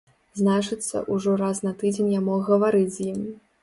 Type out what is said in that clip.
Значыцца, ужо раз на тыдзень я мог гаварыць з ім.